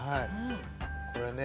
これね